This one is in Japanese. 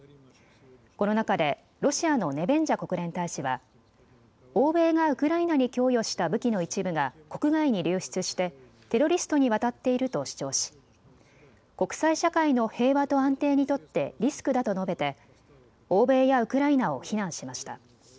この中でロシアのネベンジャ国連大使は欧米がウクライナに供与した武器の一部が国外に流出してテロリストに渡っていると主張し国際社会の平和と安定にとってリスクだと述べて欧米やウクライナを非難しました。